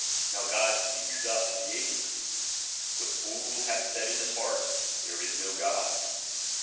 Now God speaks thus of the atheist : The fool katk said in his heart, there is no God.